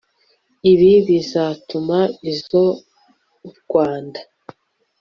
ibi bizatuma izo u rwanda